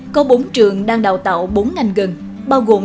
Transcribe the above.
có bốn trường đang đào tạo bốn ngành gần